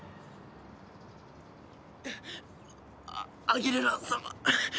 アギレラ様。